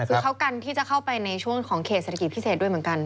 คือเขากันที่จะเข้าไปในช่วงของเขตเศรษฐกิจพิเศษด้วยเหมือนกัน